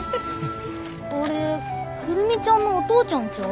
あれ久留美ちゃんのお父ちゃんちゃう？